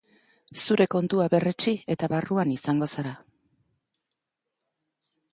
Zure kontua berretsi eta barruan izango zara.